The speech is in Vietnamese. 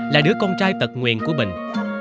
là đứa con trai tật nguyền của bình